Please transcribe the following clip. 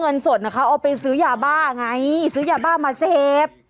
เขาเอาไปซื้อยาบ้าไงซื้อยาบ้ามาเซฟ